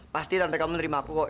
pasti tantekamu nerima aku kok